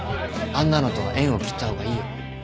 あんなのとは縁を切った方がいいよ。